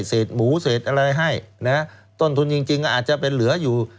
เศษหมูเศษอะไรให้นะฮะต้นทุนจริงก็อาจจะเป็นเหลืออยู่